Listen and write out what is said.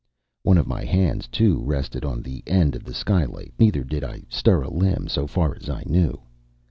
One of my hands, too, rested on the end of the skylight; neither did I stir a limb, so far as I knew.